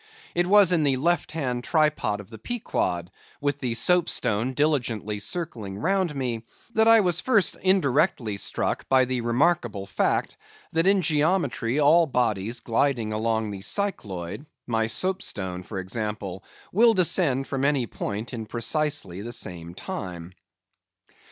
It was in the left hand try pot of the Pequod, with the soapstone diligently circling round me, that I was first indirectly struck by the remarkable fact, that in geometry all bodies gliding along the cycloid, my soapstone for example, will descend from any point in precisely the same time.